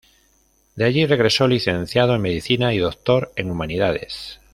De allí regresó licenciado en Medicina y doctor en Humanidades.